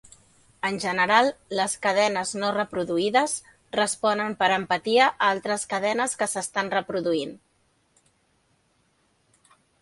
En general, les cadenes no reproduïdes responen per empatia a altres cadenes que s'estan reproduint.